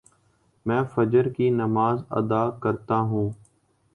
میں فجر کی نماز ادا کر تاہوں